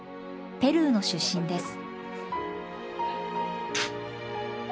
ペルーの出身です。